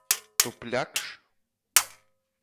Tu pļakš?